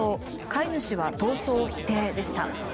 飼い主は逃走を否定でした。